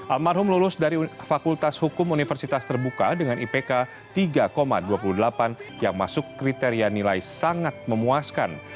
almarhum lulus dari fakultas hukum universitas terbuka dengan ipk tiga dua puluh delapan yang masuk kriteria nilai sangat memuaskan